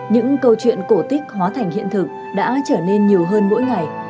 những câu chuyện cổ tích hóa thành hiện thực đã trở nên nhiều hơn mỗi ngày